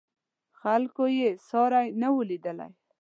خلکو یې ساری نه و لیدلی.